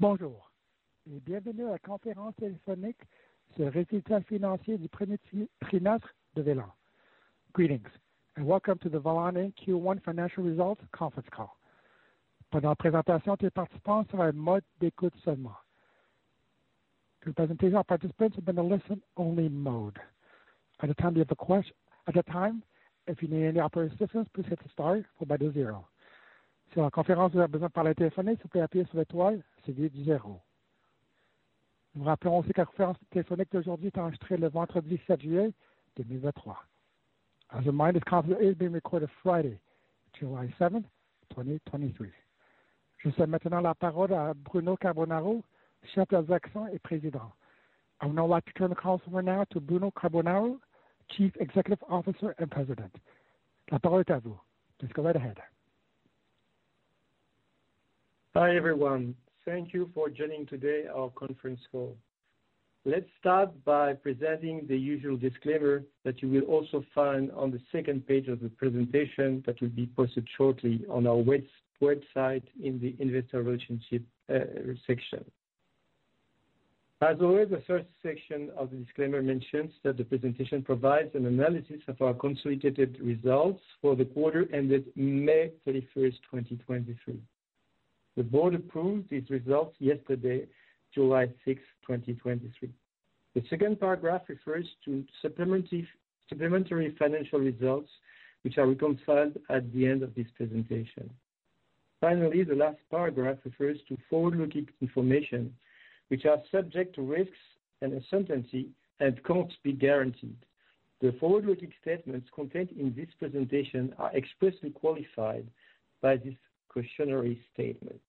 Bonjour, bienvenue à la conférence téléphonique sur les résultats financiers du premier trimestre de Velan. Greetings, welcome to the Velan Q1 Financial Results conference call. Pendant la présentation, les participants seront en mode d'écoute seulement. The presentation, our participants have been a listen-only mode. At the time, if you need any operator assistance, please get to star followed by the 0. Si pendant la conférence, vous avez besoin de parler téléphonique, s'il vous plaît, appuyer sur l'étoile, suivi de 0. A reminder, this conference is being recorded Friday, July 7, 2023. Je cède maintenant la parole à Bruno Carbonaro, chef des actions et président. I would now like to turn the call over now to Bruno Carbonaro, Chief Executive Officer and President. La parole est à vous. Please go right ahead. Hi, everyone. Thank you for joining today our conference call. Let's start by presenting the usual disclaimer that you will also find on the second page of the presentation that will be posted shortly on our website in the Investor Relations section. As always, the first section of the disclaimer mentions that the presentation provides an analysis of our consolidated results for the quarter ended May 31st, 2023. The board approved these results yesterday, July 6th, 2023. The second paragraph refers to supplementary financial results, which are reconciled at the end of this presentation. Finally, the last paragraph refers to forward-looking information, which are subject to risks and uncertainty and can't be guaranteed. The forward-looking statements contained in this presentation are expressly qualified by this cautionary statement.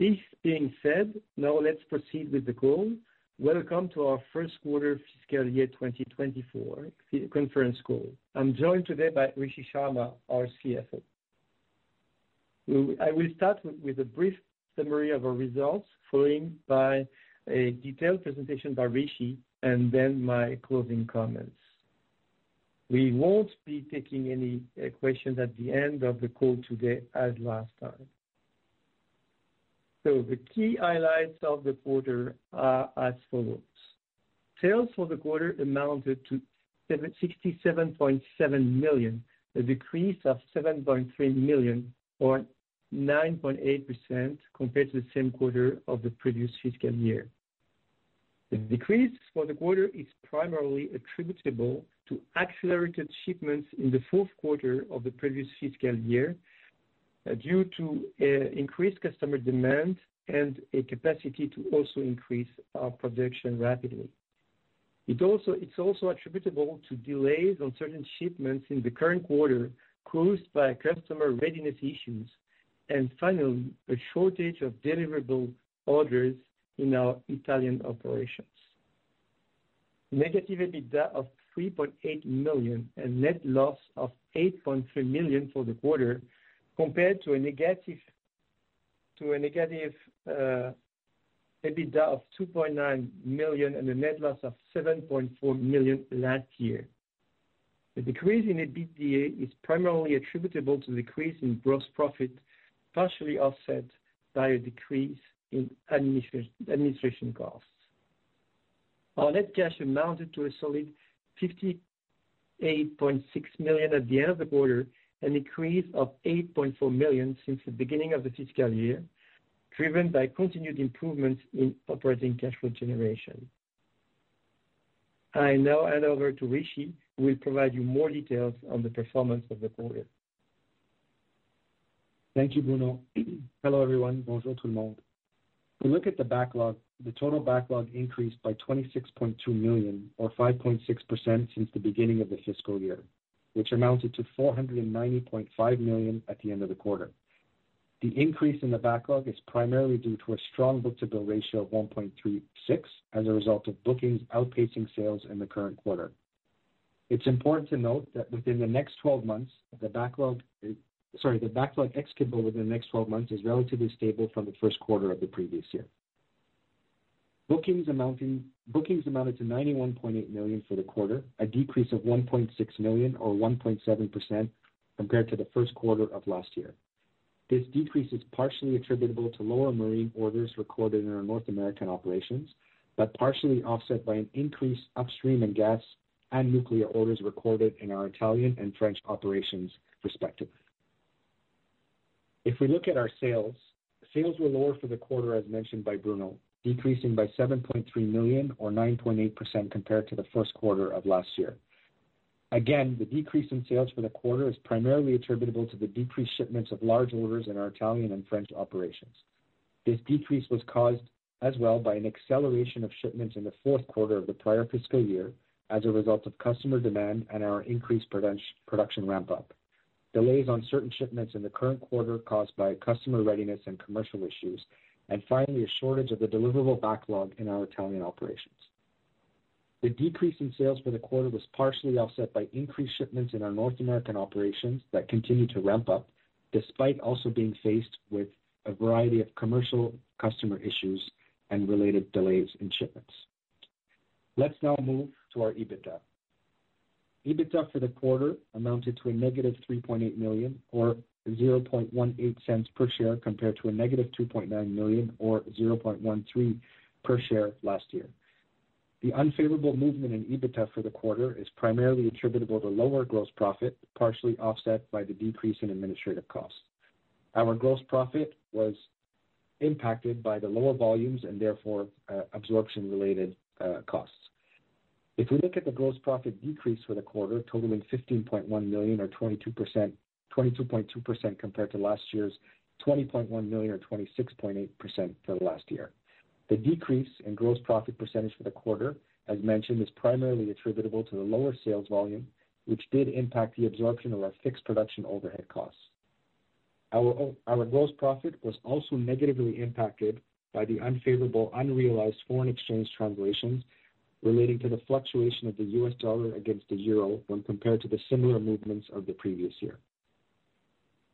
This being said, now let's proceed with the call. Welcome to our first quarter fiscal year 2024 conference call. I'm joined today by Rishi Sharma, our CFO. I will start with a brief summary of our results, followed by a detailed presentation by Rishi and then my closing comments. We won't be taking any questions at the end of the call today as last time. The key highlights of the quarter are as follows: Sales for the quarter amounted to 67.7 million, a decrease of 7.3 million or 9.8% compared to the same quarter of the previous fiscal year. The decrease for the quarter is primarily attributable to accelerated shipments in the fourth quarter of the previous fiscal year, due to increased customer demand and a capacity to also increase our production rapidly. It's also attributable to delays on certain shipments in the current quarter, caused by customer readiness issues, and finally, a shortage of deliverable orders in our Italian operations. Negative EBITDA of $3.8 million and net loss of $8.3 million for the quarter, compared to a negative EBITDA of $2.9 million and a net loss of $7.4 million last year. The decrease in EBITDA is primarily attributable to decrease in gross profit, partially offset by a decrease in administration costs. Our net cash amounted to a solid $58.6 million at the end of the quarter, an increase of $8.4 million since the beginning of the fiscal year, driven by continued improvements in operating cash flow generation. I now hand over to Rishi, who will provide you more details on the performance of the quarter. Thank you, Bruno. Hello, everyone. Bonjour, tout le monde. We look at the backlog. The total backlog increased by $26.2 million or 5.6% since the beginning of the fiscal year, which amounted to $490.5 million at the end of the quarter. The increase in the backlog is primarily due to a strong book-to-bill ratio of 1.36, as a result of bookings outpacing sales in the current quarter. It's important to note that within the next 12 months, the backlog, sorry, the backlog ex-bill within the next 12 months is relatively stable from the first quarter of the previous year. Bookings amounted to $91.8 million for the quarter, a decrease of $1.6 million or 1.7% compared to the first quarter of last year. This decrease is partially attributable to lower marine orders recorded in our North American operations, partially offset by an increased upstream oil and gas and nuclear orders recorded in our Italian and French operations, respectively. If we look at our sales were lower for the quarter, as mentioned by Bruno, decreasing by $7.3 million or 9.8% compared to the first quarter of last year. The decrease in sales for the quarter is primarily attributable to the decreased shipments of large orders in our Italian and French operations. This decrease was caused as well by an acceleration of shipments in the fourth quarter of the prior fiscal year as a result of customer demand and our increased production ramp-up, delays on certain shipments in the current quarter caused by customer readiness and commercial issues, and finally, a shortage of the deliverable backlog in our Italian operations. The decrease in sales for the quarter was partially offset by increased shipments in our North American operations that continued to ramp up, despite also being faced with a variety of commercial customer issues and related delays in shipments. Let's now move to our EBITDA. EBITDA for the quarter amounted to -$3.8 million, or -$0.0018 per share, compared to -$2.9 million, or -$0.0013 per share last year. The unfavorable movement in EBITDA for the quarter is primarily attributable to lower gross profit, partially offset by the decrease in administrative costs. Our gross profit was impacted by the lower volumes and therefore, absorption-related costs. If we look at the gross profit decrease for the quarter, totaling $15.1 million or 22.2% compared to last year's $20.1 million or 26.8% for the last year. The decrease in gross profit percentage for the quarter, as mentioned, is primarily attributable to the lower sales volume, which did impact the absorption of our fixed production overhead costs. Our gross profit was also negatively impacted by the unfavorable unrealized foreign exchange translations relating to the fluctuation of the US dollar against the euro when compared to the similar movements of the previous year.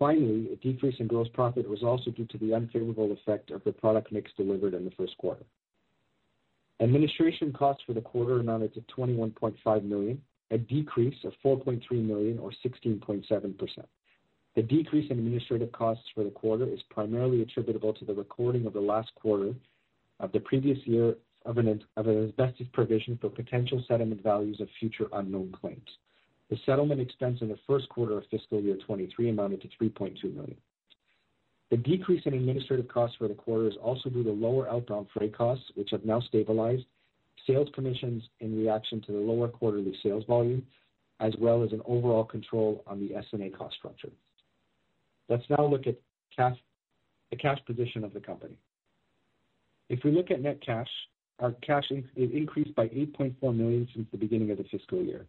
A decrease in gross profit was also due to the unfavorable effect of the product mix delivered in the first quarter. Administration costs for the quarter amounted to $21.5 million, a decrease of $4.3 million or 16.7%. The decrease in administrative costs for the quarter is primarily attributable to the recording of the last quarter of the previous year of an invested provision for potential settlement values of future unknown claims. The settlement expense in the first quarter of fiscal year 2023 amounted to $3.2 million. The decrease in administrative costs for the quarter is also due to lower outbound freight costs, which have now stabilized, sales commissions in reaction to the lower quarterly sales volume, as well as an overall control on the S&A cost structure. Let's now look at cash, the cash position of the company. If we look at net cash, our cash it increased by $8.4 million since the beginning of the fiscal year.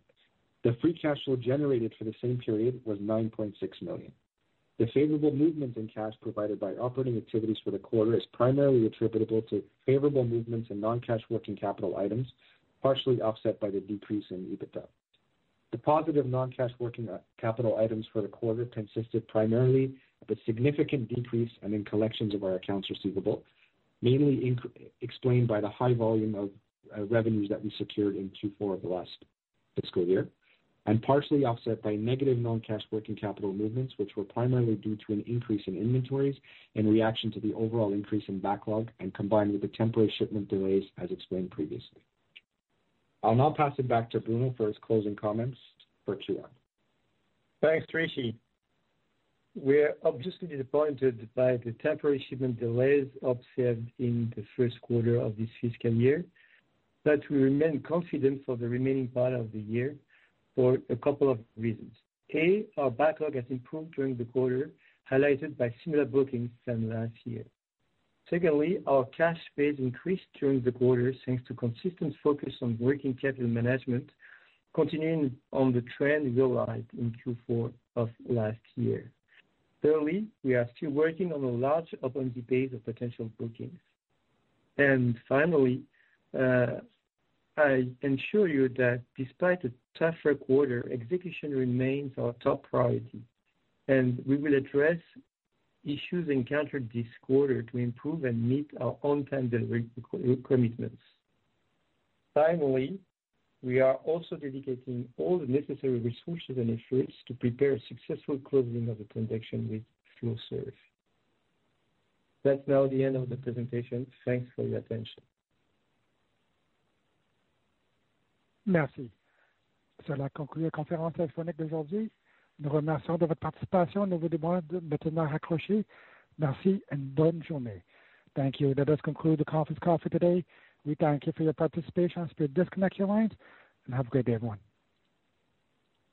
The free cash flow generated for the same period was $9.6 million. The favorable movement in cash provided by operating activities for the quarter is primarily attributable to favorable movements in non-cash working capital items, partially offset by the decrease in EBITDA. The positive non-cash working capital items for the quarter consisted primarily of a significant decrease and in collections of our accounts receivable, mainly explained by the high volume of revenues that we secured in Q4 of the last fiscal year. Partially offset by negative non-cash working capital movements, which were primarily due to an increase in inventories in reaction to the overall increase in backlog and combined with the temporary shipment delays, as explained previously. I'll now pass it back to Bruno for his closing comments for Q1. Thanks, Rishi. We're obviously disappointed by the temporary shipment delays observed in the first quarter of this fiscal year, but we remain confident for the remaining part of the year for a couple of reasons. A, our backlog has improved during the quarter, highlighted by similar bookings than last year. Secondly, our cash base increased during the quarter, thanks to consistent focus on working capital management, continuing on the trend we relied in Q4 of last year. Thirdly, we are still working on a large open debate of potential bookings. Finally, I ensure you that despite a tougher quarter, execution remains our top priority, and we will address issues encountered this quarter to improve and meet our on-time delivery co- commitments. Finally, we are also dedicating all the necessary resources and efforts to prepare a successful closing of the transaction with Flowserve. That's now the end of the presentation. Thanks for your attention. Merci. Cela conclut la conférence téléphonique d'aujourd'hui. Nous vous remercions de votre participation, nous vous demandons de bien accrocher. Merci et bonne journée. Thank you. That does conclude the conference call for today. We thank you for your participation. Please disconnect your lines and have a great day, everyone.